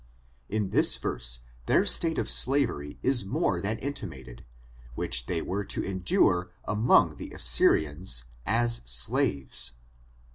In this verse their state of slavery is more than intimated, which they were to endure among the Assyrians as slaves.